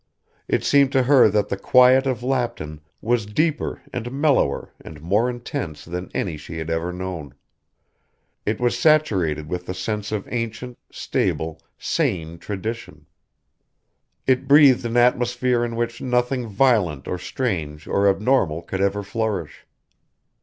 It seemed to her that the quiet of Lapton was deeper and mellower and more intense than any she had ever known. It was saturated with the sense of ancient, stable, sane tradition. It breathed an atmosphere in which nothing violent or strange or abnormal could ever flourish.